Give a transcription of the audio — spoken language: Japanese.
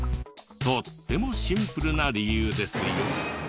とってもシンプルな理由ですよ。